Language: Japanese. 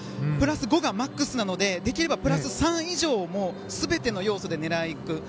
プラス５がマックスなのでできればプラス３以上を全ての要素で狙いにいく。